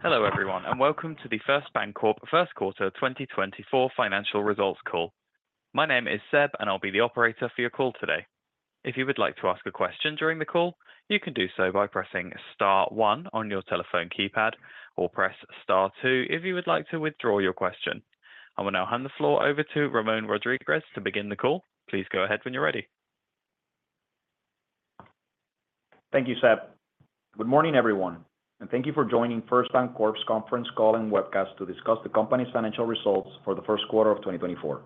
Hello everyone and welcome to the First BanCorp first quarter 2024 financial results call. My name is Seb and I'll be the operator for your call today. If you would like to ask a question during the call you can do so by pressing *1 on your telephone keypad or press *2 if you would like to withdraw your question. I will now hand the floor over to Ramón Rodríguez to begin the call. Please go ahead when you're ready. Thank you Seb. Good morning everyone and thank you for joining First BanCorp's conference call and webcast to discuss the company's financial results for the first quarter of 2024.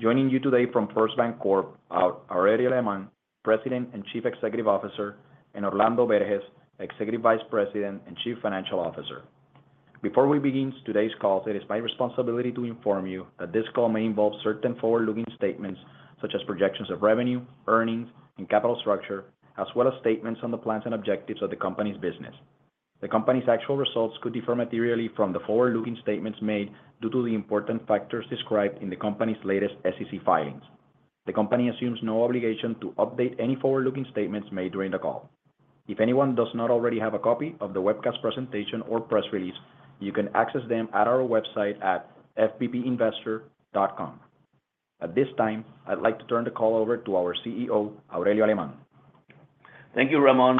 Joining you today from First BanCorp are Aurelio Alemán, President and Chief Executive Officer, and Orlando Berges, Executive Vice President and Chief Financial Officer. Before we begin today's call it is my responsibility to inform you that this call may involve certain forward-looking statements such as projections of revenue, earnings, and capital structure as well as statements on the plans and objectives of the company's business. The company's actual results could differ materially from the forward-looking statements made due to the important factors described in the company's latest SEC filings. The company assumes no obligation to update any forward-looking statements made during the call. If anyone does not already have a copy of the webcast presentation or press release, you can access them at our website at fbpinvestor.com. At this time I'd like to turn the call over to our CEO Aurelio Alemán. Thank you Ramón.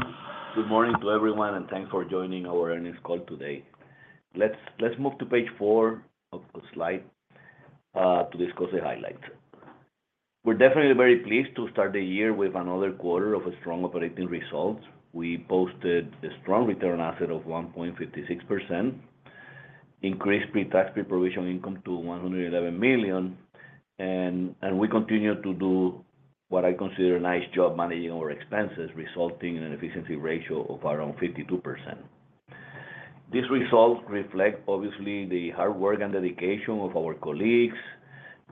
Good morning to everyone and thanks for joining our earnings call today. Let's move to page 4 of the slide to discuss the highlights. We're definitely very pleased to start the year with another quarter of strong operating results. We posted a strong return on assets of 1.56%, increased pre-tax pre-provision income to $111 million, and we continue to do what I consider a nice job managing our expenses resulting in an efficiency ratio of around 52%. These results reflect obviously the hard work and dedication of our colleagues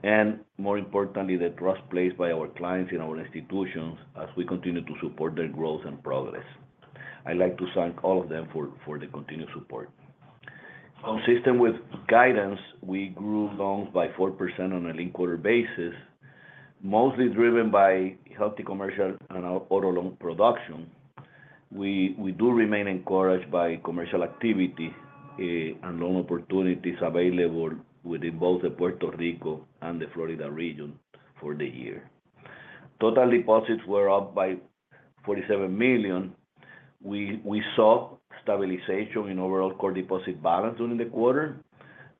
and more importantly the trust placed by our clients in our institutions as we continue to support their growth and progress. I'd like to thank all of them for the continued support. Consistent with guidance we grew loans by 4% on a linked-quarter basis mostly driven by healthy commercial and auto loan production. We do remain encouraged by commercial activity and loan opportunities available within both the Puerto Rico and the Florida region for the year. Total deposits were up by $47 million. We saw stabilization in overall core deposit balance during the quarter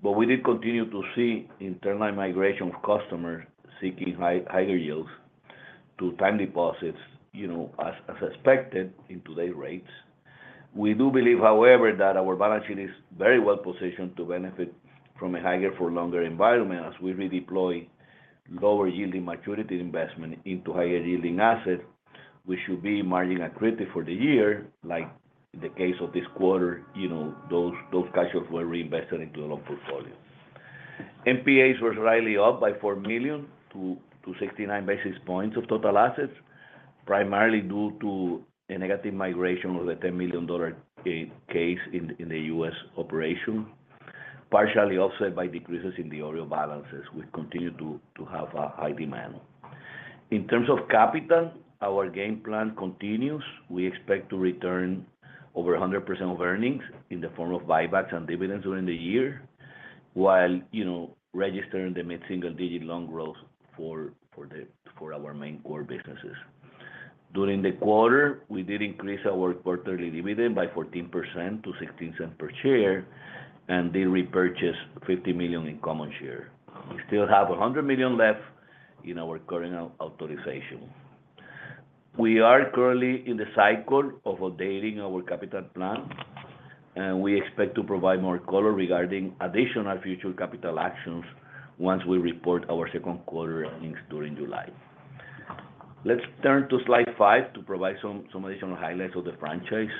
but we did continue to see internal migration of customers seeking higher yields to time deposits as expected in today's rates. We do believe however that our balance sheet is very well positioned to benefit from a higher for longer environment as we redeploy lower yielding maturity investment into higher yielding assets. We should be margin accretive for the year like in the case of this quarter those cash flows were reinvested into the loan portfolio. NPAs were slightly up by $4 million to 69 basis points of total assets primarily due to a negative migration of the $10 million case in the US operation partially offset by decreases in the OREO balances which continue to have a high demand. In terms of capital our game plan continues. We expect to return over 100% of earnings in the form of buybacks and dividends during the year while registering the mid-single digit loan growth for our main core businesses. During the quarter we did increase our quarterly dividend by 14% to $0.16 per share and did repurchase $50 million in common shares. We still have $100 million left in our current authorization. We are currently in the cycle of updating our capital plan and we expect to provide more color regarding additional future capital actions once we report our second quarter earnings during July. Let's turn to slide 5 to provide some additional highlights of the franchise.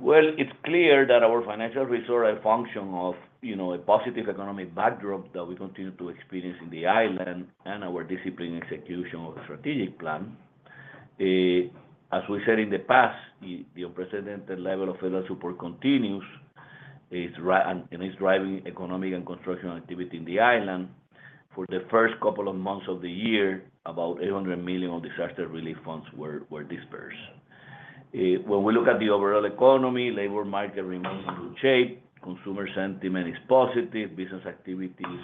Well, it's clear that our financial results are a function of a positive economic backdrop that we continue to experience in the island and our disciplined execution of the strategic plan. As we said in the past, the unprecedented level of federal support continues and it's driving economic and construction activity in the island. For the first couple of months of the year, about $800 million of disaster relief funds were disbursed. When we look at the overall economy, labor market remains in good shape, consumer sentiment is positive, business activities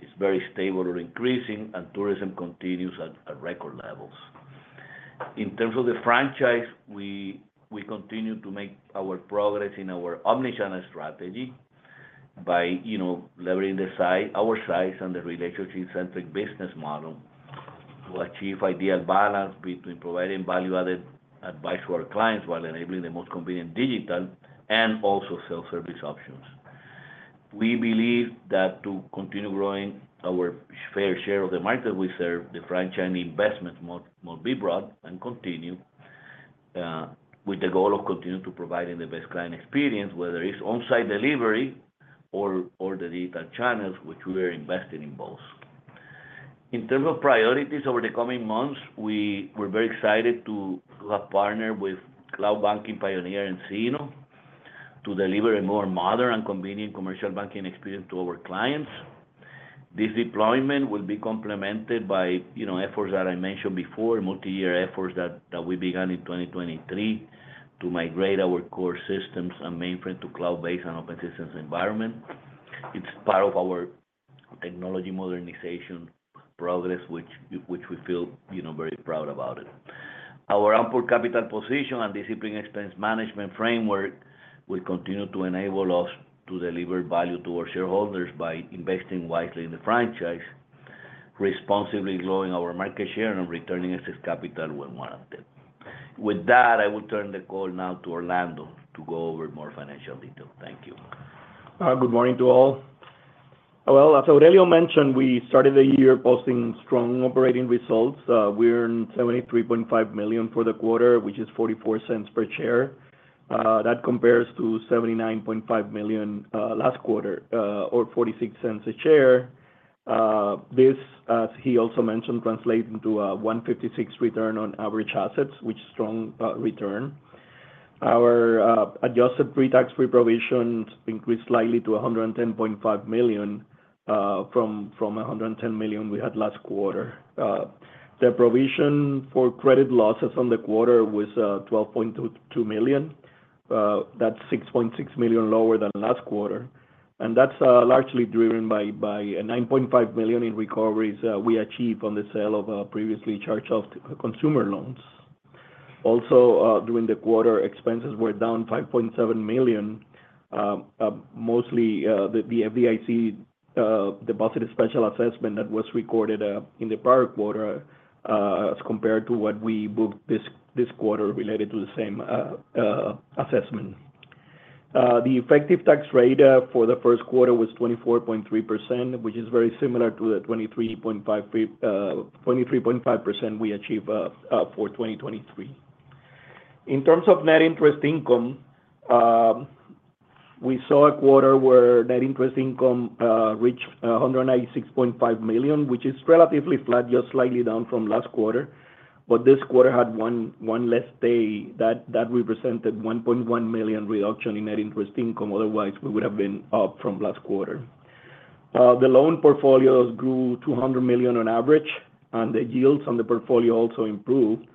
is very stable or increasing, and tourism continues at record levels. In terms of the franchise we continue to make our progress in our omnichannel strategy by leveraging our size and the relationship-centric business model to achieve ideal balance between providing value-added advice to our clients while enabling the most convenient digital and also self-service options. We believe that to continue growing our fair share of the market we serve the franchise investments must be brought and continue with the goal of continuing to providing the best client experience whether it's on-site delivery or the digital channels which we are investing in both. In terms of priorities over the coming months we're very excited to have partnered with cloud banking pioneer nCino to deliver a more modern and convenient commercial banking experience to our clients. This deployment will be complemented by efforts that I mentioned before, multi-year efforts that we began in 2023 to migrate our core systems and mainframe to cloud-based and open systems environment. It's part of our technology modernization progress which we feel very proud about it. Our ample capital position and disciplined expense management framework will continue to enable us to deliver value to our shareholders by investing wisely in the franchise, responsibly growing our market share, and returning excess capital when warranted. With that, I will turn the call now to Orlando to go over more financial details. Thank you. Good morning to all. Well as Aurelio mentioned we started the year posting strong operating results. We earned $73.5 million for the quarter which is $0.44 per share. That compares to $79.5 million last quarter or $0.46 a share. This as he also mentioned translates into a 1.56% return on average assets which is strong return. Our adjusted pre-tax pre-provision increased slightly to $110.5 million from $110 million we had last quarter. The provision for credit losses on the quarter was $12.2 million. That's $6.6 million lower than last quarter and that's largely driven by a $9.5 million in recoveries we achieved on the sale of previously charged-off consumer loans. Also during the quarter expenses were down $5.7 million mostly the FDIC deposit special assessment that was recorded in the prior quarter as compared to what we booked this quarter related to the same assessment. The effective tax rate for the first quarter was 24.3%, which is very similar to the 23.5% we achieved for 2023. In terms of net interest income, we saw a quarter where net interest income reached $196.5 million, which is relatively flat, just slightly down from last quarter, but this quarter had one less day that represented $1.1 million reduction in net interest income. Otherwise we would have been up from last quarter. The loan portfolios grew $200 million on average and the yields on the portfolio also improved.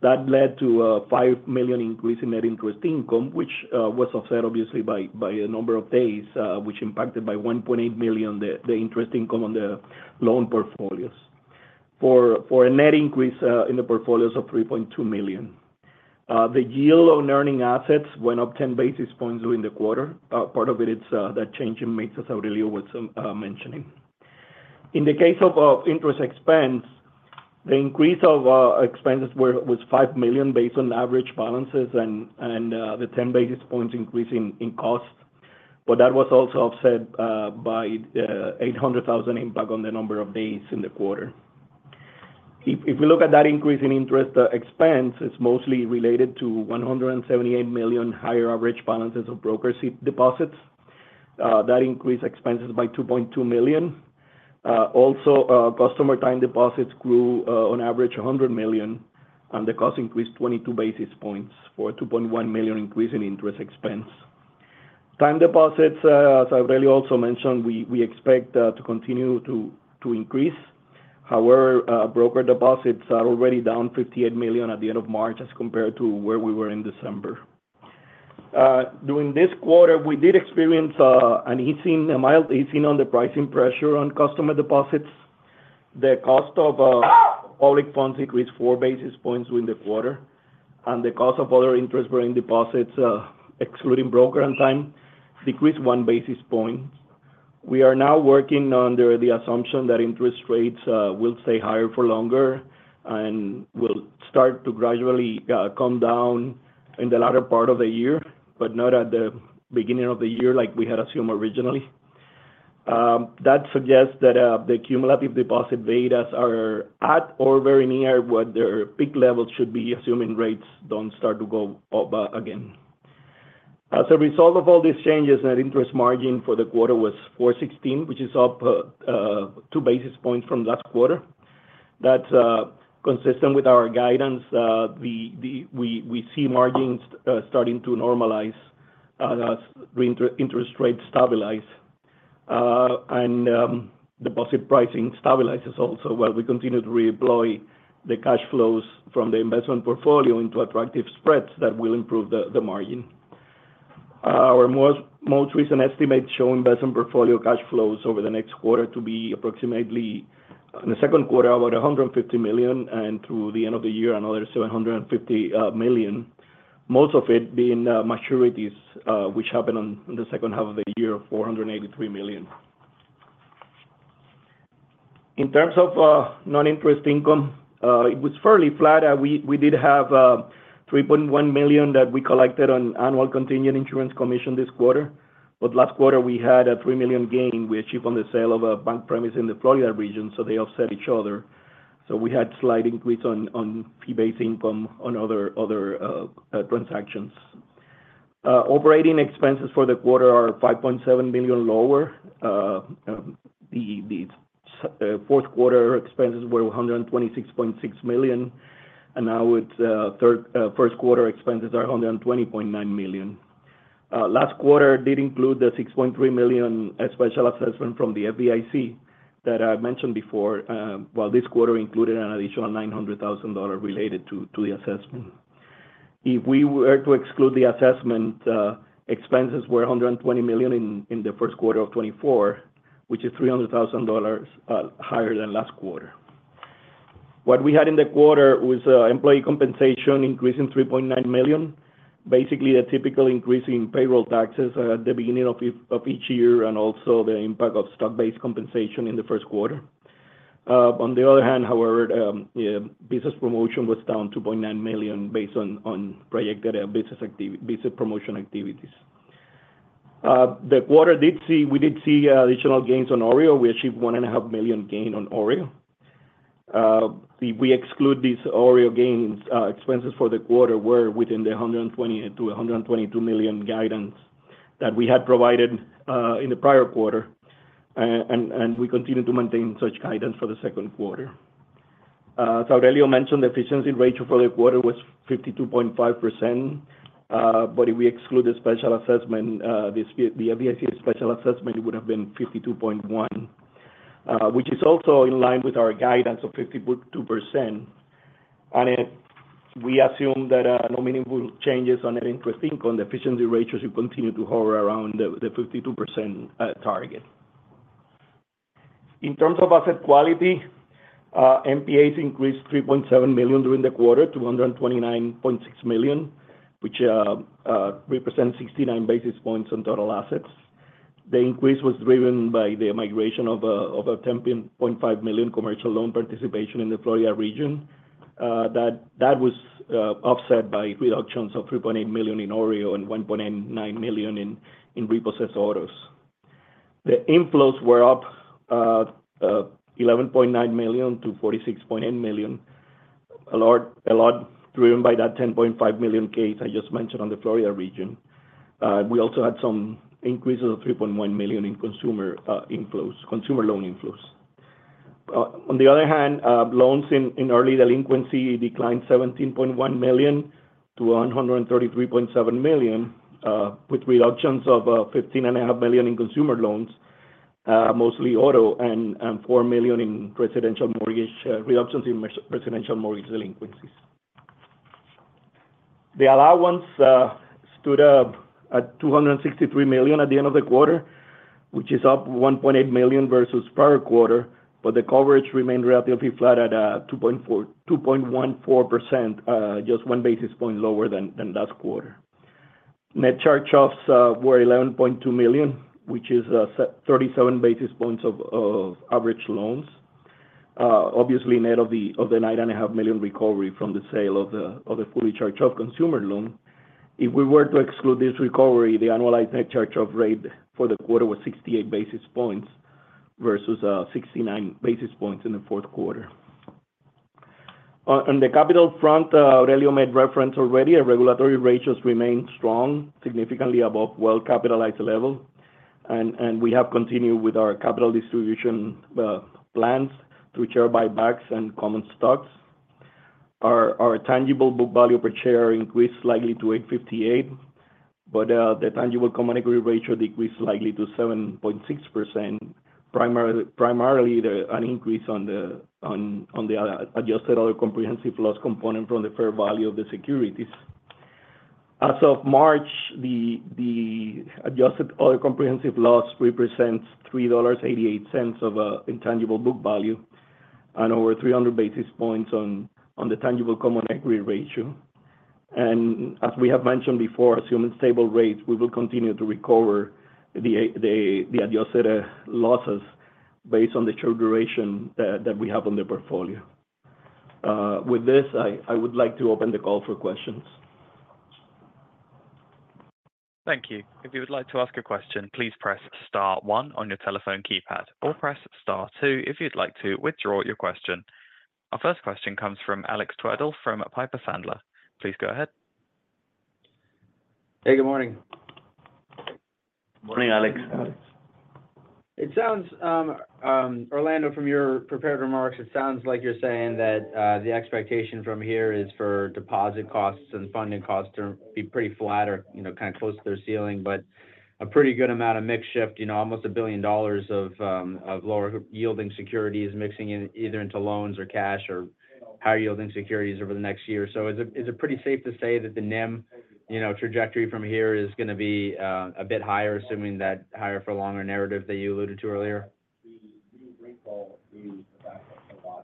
That led to a $5 million increase in net interest income, which was offset obviously by a number of days which impacted by $1.8 million the interest income on the loan portfolios. For a net increase in the portfolios of $3.2 million. The yield on earning assets went up 10 basis points during the quarter. Part of it is that change in rates as Aurelio was mentioning. In the case of interest expense the increase of expenses was $5 million based on average balances and the 10 basis points increase in cost but that was also offset by $800,000 impact on the number of days in the quarter. If we look at that increase in interest expense it's mostly related to $178 million higher average balances of brokered deposits. That increased expenses by $2.2 million. Also customer time deposits grew on average $100 million and the cost increased 22 basis points for a $2.1 million increase in interest expense. Time deposits as Aurelio also mentioned we expect to continue to increase. However brokered deposits are already down $58 million at the end of March as compared to where we were in December. During this quarter we did experience a mild easing on the pricing pressure on customer deposits. The cost of public funds increased 4 basis points during the quarter and the cost of other interest-bearing deposits excluding broker and time decreased 1 basis point. We are now working under the assumption that interest rates will stay higher for longer and will start to gradually come down in the latter part of the year but not at the beginning of the year like we had assumed originally. That suggests that the cumulative deposit beta are at or very near what their peak levels should be assuming rates don't start to go up again. As a result of all these changes net interest margin for the quarter was 4.16% which is up 2 basis points from last quarter. That's consistent with our guidance. We see margins starting to normalize as interest rates stabilize and deposit pricing stabilizes also while we continue to redeploy the cash flows from the investment portfolio into attractive spreads that will improve the margin. Our most recent estimates show investment portfolio cash flows over the next quarter to be approximately in the second quarter about $150 million and through the end of the year another $750 million most of it being maturities which happened in the second half of the year of $483 million. In terms of non-interest income it was fairly flat. We did have $3.1 million that we collected on annual contingent insurance commission this quarter but last quarter we had a $3 million gain we achieved on the sale of a bank premises in the Florida region so they offset each other. So we had slight increase on fee-based income on other transactions. Operating expenses for the quarter are $5.7 million lower. The fourth quarter expenses were $126.6 million and now it's first quarter expenses are $120.9 million. Last quarter did include the $6.3 million special assessment from the FDIC that I mentioned before while this quarter included an additional $900,000 related to the assessment. If we were to exclude the assessment expenses were $120 million in the first quarter of 2024 which is $300,000 higher than last quarter. What we had in the quarter was employee compensation increasing $3.9 million. Basically the typical increase in payroll taxes at the beginning of each year and also the impact of stock-based compensation in the first quarter. On the other hand however business promotion was down $2.9 million based on projected business promotion activities. The quarter did see we did see additional gains on OREO. We achieved $1.5 million gain on OREO. If we exclude these OREO gains, expenses for the quarter were within the $120 million-$122 million guidance that we had provided in the prior quarter and we continue to maintain such guidance for the second quarter. As Aurelio mentioned, the efficiency ratio for the quarter was 52.5% but if we exclude the special assessment, the FDIC special assessment, it would have been 52.1%, which is also in line with our guidance of 52% and we assume that no meaningful changes on net interest income, the efficiency ratios should continue to hover around the 52% target. In terms of asset quality, NPAs increased $3.7 million during the quarter to $129.6 million, which represents 69 basis points on total assets. The increase was driven by the migration of a $10.5 million commercial loan participation in the Florida region. That was offset by reductions of $3.8 million in OREO and $1.9 million in repossessed autos. The inflows were up $11.9 million to $46.8 million a lot driven by that $10.5 million case I just mentioned on the Florida region. We also had some increases of $3.1 million in consumer inflows consumer loan inflows. On the other hand loans in early delinquency declined $17.1 million to $133.7 million with reductions of $15.5 million in consumer loans mostly auto and $4 million in residential mortgage reductions in residential mortgage delinquencies. The allowance stood at $263 million at the end of the quarter which is up $1.8 million versus prior quarter but the coverage remained relatively flat at 2.14% just 1 basis point lower than last quarter. Net charged-off were $11.2 million which is 37 basis points of average loans obviously net of the $9.5 million recovery from the sale of the fully charged-off consumer loan. If we were to exclude this recovery the annualized net charged-off rate for the quarter was 68 basis points versus 69 basis points in the fourth quarter. On the capital front Aurelio made reference already. Our regulatory ratios remain strong significantly above well-capitalized levels and we have continued with our capital distribution plans through share buybacks and common stocks. Our tangible book value per share increased slightly to $8.58 but the tangible common equity ratio decreased slightly to 7.6% primarily an increase on the adjusted other comprehensive loss component from the fair value of the securities. As of March, the adjusted other comprehensive loss represents $3.88 of tangible book value and over 300 basis points on the tangible common equity ratio. As we have mentioned before, assuming stable rates, we will continue to recover the adjusted losses based on the short duration that we have on the portfolio. With this, I would like to open the call for questions. Thank you. If you would like to ask a question please press star one on your telephone keypad or press star two if you'd like to withdraw your question. Our first question comes from Alex Twerdahl from Piper Sandler. Please go ahead. Hey, good morning. Morning, Alex. It sounds, Orlando, from your prepared remarks it sounds like you're saying that the expectation from here is for deposit costs and funding costs to be pretty flat or kind of close to their ceiling but a pretty good amount of mix shift almost $1 billion of lower yielding securities mixing either into loans or cash or higher yielding securities over the next year. So is it pretty safe to say that the NIM trajectory from here is going to be a bit higher assuming that higher for a longer narrative that you alluded to earlier?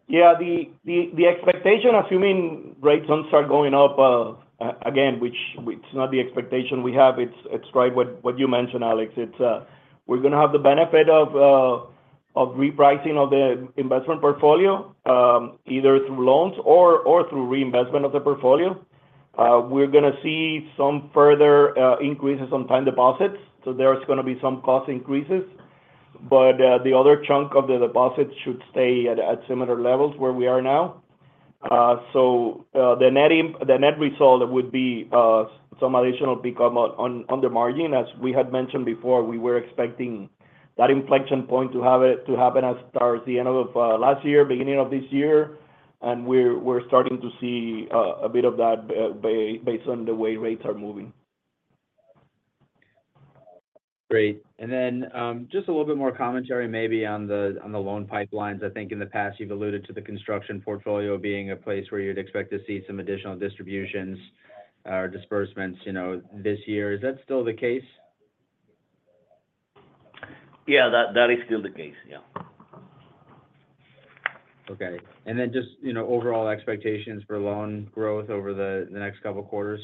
Yeah, the expectation, assuming rates don't start going up again, which it's not the expectation we have, it's right what you mentioned, Alex. We're going to have the benefit of repricing of the investment portfolio either through loans or through reinvestment of the portfolio. We're going to see some further increases on time deposits, so there's going to be some cost increases, but the other chunk of the deposits should stay at similar levels where we are now. So the net result would be some additional pickup on the margin. As we had mentioned before, we were expecting that inflection point to happen as towards the end of last year, beginning of this year, and we're starting to see a bit of that based on the way rates are moving. Great. And then just a little bit more commentary maybe on the loan pipelines. I think in the past you've alluded to the construction portfolio being a place where you'd expect to see some additional distributions or disbursements this year. Is that still the case? Yeah that is still the case. Yeah. Okay. And then just overall expectations for loan growth over the next couple quarters?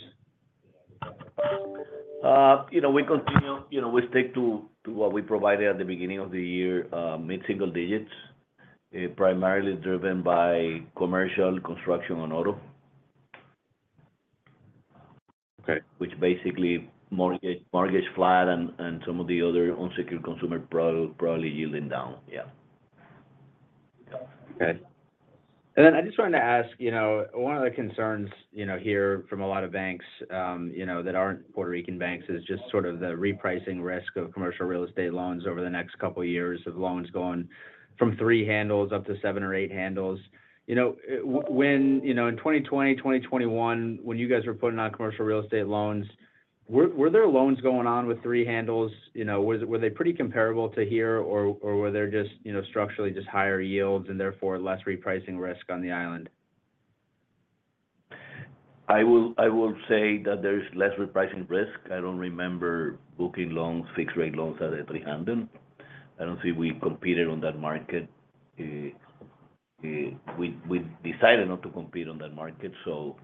We continue. We stick to what we provided at the beginning of the year, mid-single digits, primarily driven by commercial construction and auto, which basically mortgage flat, and some of the other unsecured consumer products probably yielding down. Yeah. Okay. And then I just wanted to ask one of the concerns here from a lot of banks that aren't Puerto Rican banks is just sort of the repricing risk of commercial real estate loans over the next couple years of loans going from three handles up to seven or eight handles. When in 2020, 2021 when you guys were putting on commercial real estate loans were there loans going on with three handles? Were they pretty comparable to here or were there just structurally just higher yields and therefore less repricing risk on the island? I will say that there is less repricing risk. I don't remember booking loans fixed rate loans at 300. I don't see we competed on that market. We decided not to compete on that market so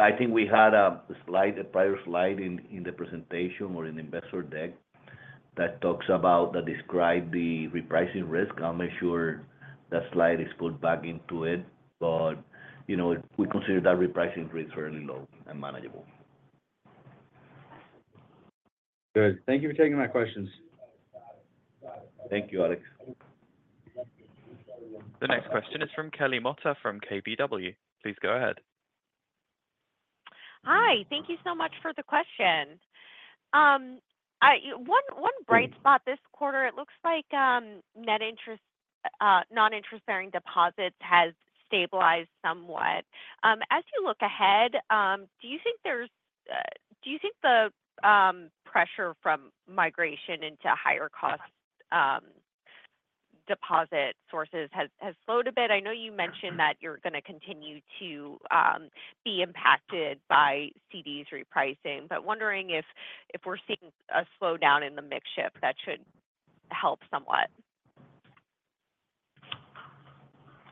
I think we had a slight prior slide in the presentation or in the investor deck that talks about that described the repricing risk. I'm not sure that slide is pulled back into it but we consider that repricing risk fairly low and manageable. Good. Thank you for taking my questions. Thank you Alex. The next question is from Kelly Motta from KBW. Please go ahead. Hi, thank you so much for the question. One bright spot this quarter, it looks like net interest non-interest-bearing deposits has stabilized somewhat. As you look ahead, do you think there's do you think the pressure from migration into higher cost deposit sources has slowed a bit? I know you mentioned that you're going to continue to be impacted by CDs repricing, but wondering if we're seeing a slowdown in the mix shift that should help somewhat.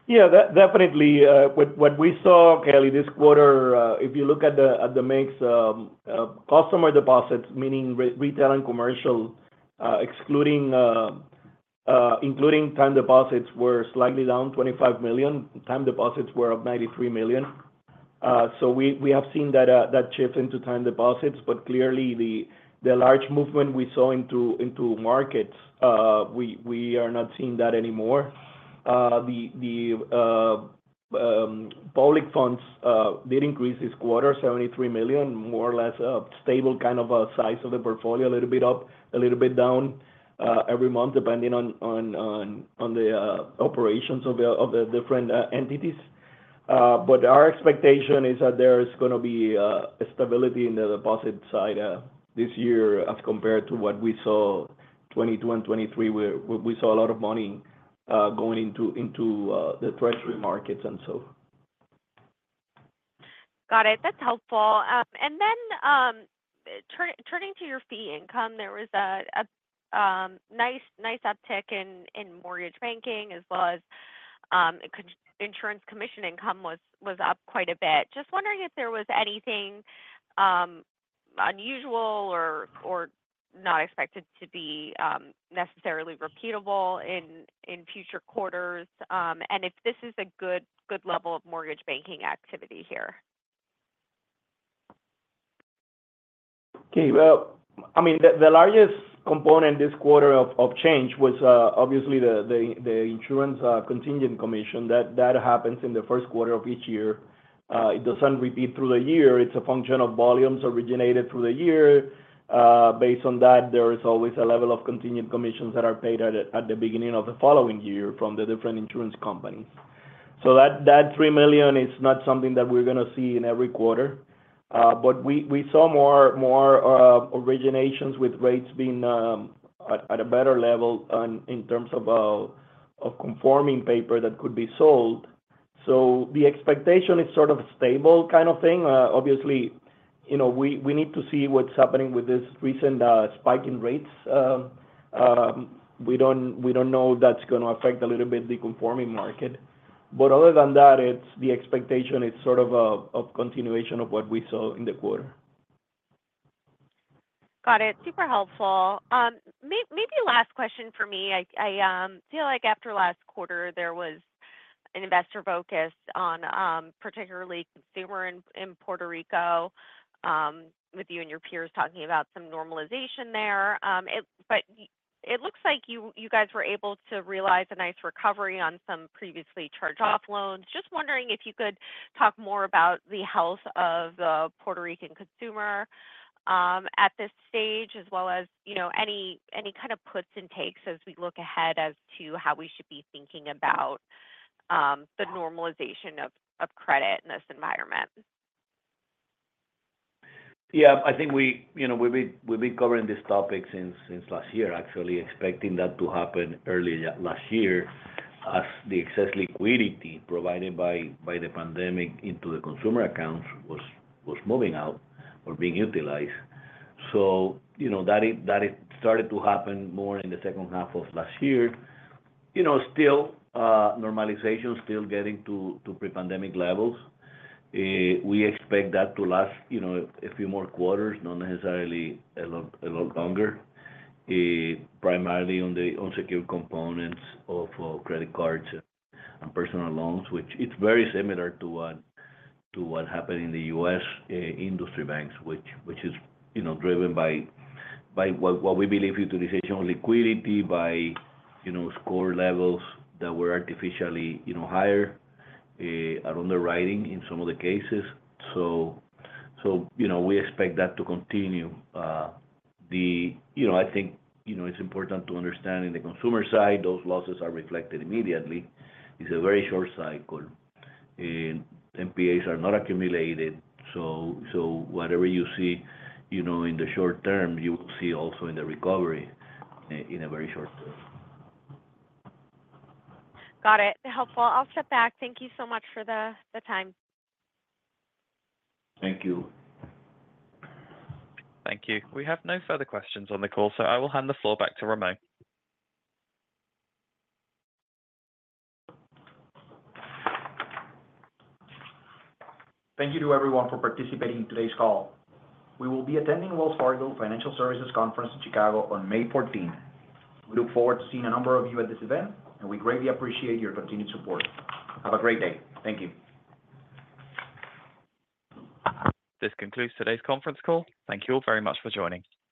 Yeah, definitely. What we saw, Kelly, this quarter—if you look at the mix—customer deposits, meaning retail and commercial, excluding including time deposits, were slightly down $25 million. Time deposits were up $93 million. So we have seen that shift into time deposits, but clearly the large movement we saw into markets we are not seeing that anymore. The public funds did increase this quarter $73 million, more or less. A stable kind of a size of the portfolio—a little bit up, a little bit down—every month depending on the operations of the different entities. But our expectation is that there is going to be stability in the deposit side this year as compared to what we saw 2022 and 2023 where we saw a lot of money going into the Treasury markets and so. Got it. That's helpful. And then turning to your fee income, there was a nice uptick in mortgage banking as well as insurance commission income was up quite a bit. Just wondering if there was anything unusual or not expected to be necessarily repeatable in future quarters and if this is a good level of mortgage banking activity here. Okay. Well I mean the largest component this quarter of change was obviously the insurance contingent commission. That happens in the first quarter of each year. It doesn't repeat through the year. It's a function of volumes originated through the year. Based on that there is always a level of contingent commissions that are paid at the beginning of the following year from the different insurance companies. So that $3 million is not something that we're going to see in every quarter but we saw more originations with rates being at a better level in terms of conforming paper that could be sold. So the expectation is sort of a stable kind of thing. Obviously we need to see what's happening with this recent spike in rates. We don't know if that's going to affect a little bit the conforming market but other than that the expectation is sort of a continuation of what we saw in the quarter. Got it. Super helpful. Maybe last question for me. I feel like after last quarter there was an investor focus on particularly consumer in Puerto Rico with you and your peers talking about some normalization there. But it looks like you guys were able to realize a nice recovery on some previously charged-off loans. Just wondering if you could talk more about the health of the Puerto Rican consumer at this stage as well as any kind of puts and takes as we look ahead as to how we should be thinking about the normalization of credit in this environment? Yeah, I think we've been covering this topic since last year, actually expecting that to happen early last year as the excess liquidity provided by the pandemic into the consumer accounts was moving out or being utilized. So that started to happen more in the second half of last year. Still normalization still getting to pre-pandemic levels. We expect that to last a few more quarters, not necessarily a lot longer, primarily on the unsecured components of credit cards and personal loans, which it's very similar to what happened in the U.S. industry banks, which is driven by what we believe utilization of liquidity by score levels that were artificially higher or underwriting in some of the cases. So we expect that to continue. I think it's important to understand in the consumer side those losses are reflected immediately. It's a very short cycle. NPAs are not accumulated so whatever you see in the short term you will see also in the recovery in a very short term. Got it. Helpful. I'll step back. Thank you so much for the time. Thank you. Thank you. We have no further questions on the call so I will hand the floor back to Ramón. Thank you to everyone for participating in today's call. We will be attending Wells Fargo Financial Services Conference in Chicago on May 14th. We look forward to seeing a number of you at this event and we greatly appreciate your continued support. Have a great day. Thank you. This concludes today's conference call. Thank you all very much for joining.